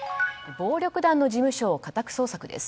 暴力団の事務所を家宅捜索です。